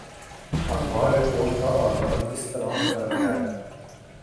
اخبار رپورٹ کا آغاز اس طرح کر ہے